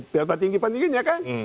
pihak pentingnya kan